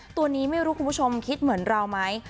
ตัวนี้ไม่รู้คุณผู้ชมคิดเหมือนเราไหม